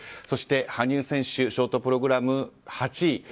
そして、羽生選手ショートプログラム、８位。